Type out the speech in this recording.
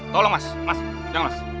tolong mas mas yang mas